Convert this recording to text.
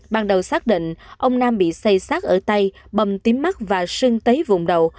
ban đầu xác định ông nam bị xây sát ở tay bầm tím mắt và sưng tấy vùng đầu